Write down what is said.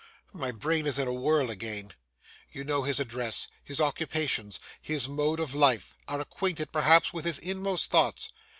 My brain is in a whirl again. You know his address, his occupations, his mode of life,—are acquainted, perhaps, with his inmost thoughts.